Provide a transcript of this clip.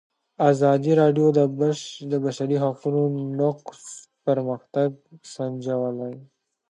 ازادي راډیو د د بشري حقونو نقض پرمختګ سنجولی.